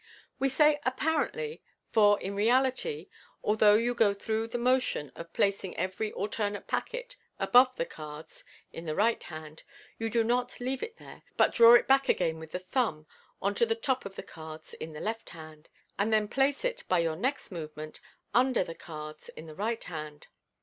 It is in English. We say apparently, for in reality, although you go through the motion oi placing every alternate packet above the cards in the right hand, you do not leave it there, but draw it back again with the thumb on to the top of the cards in the left hand, and then place it, by your next movement, under the cards in the right hand.